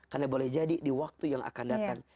karena boleh jadi di waktu yang akan datang